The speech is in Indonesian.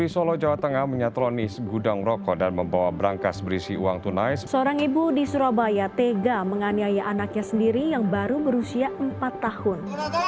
seorang ibu di surabaya tega menganiaya anaknya sendiri yang baru berusia empat tahun